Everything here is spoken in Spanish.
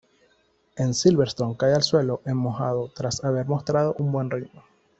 En Silverstone cae al suelo en mojado tras haber mostrado un buen ritmo.